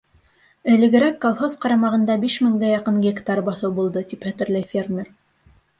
Элегерәк колхоз ҡарамағында биш меңгә яҡын гектар баҫыу булды, тип хәтерләй фермер.